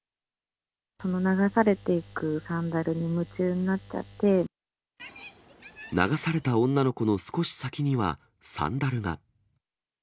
流されていくサンダルに夢中流された女の子の少し先にはサンダルが。